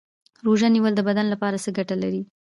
روژه نیول د بدن لپاره څه ګټه لري